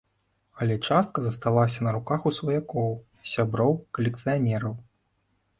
Але частка засталася на руках у сваякоў, сяброў, калекцыянераў.